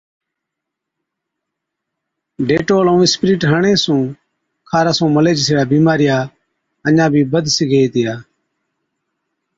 ڊيٽول ائُون اِسپرِيٽ هڻڻي سُون خارس ائُون ملي جِسڙِيا بِيمارِيا اڃا بِي بڌِيڪ بِڌ سِگھي هِتِيا۔